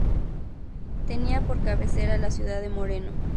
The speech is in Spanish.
Tenía por cabecera a la ciudad de Moreno.